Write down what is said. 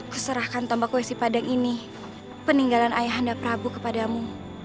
keserahkan tambah kue si padang ini peninggalan ayah anda prabu kepadamu